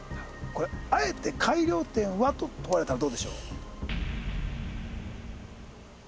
これあえて改良点は？と問われたらどうでしょう？